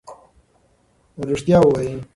ریښتیا ووایئ.